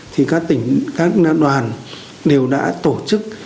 thì các đoàn đều đã tổ chức